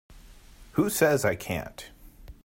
Who says I can't?